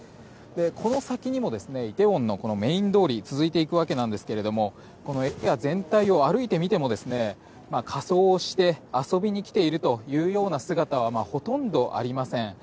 この先にも梨泰院のメイン通り続いていくわけなんですがこのエリア全体を歩いてみても仮装して遊びに来ているというような姿はほとんどありません。